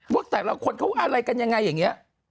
พวกแต่ละคนเขาก็ว่าอะไรกันยังไงอย่างงี้